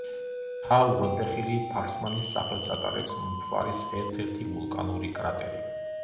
მთა, უღელტეხილი; ფერსმანის სახელს ატარებს მთვარის ერთ-ერთი ვულკანური კრატერი.